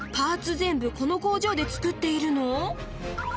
全部この工場で作っているの？